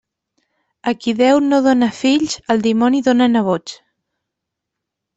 A qui Déu no dóna fills, el dimoni dóna nebots.